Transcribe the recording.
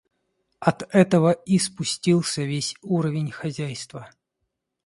От этого и спустился весь уровень хозяйства.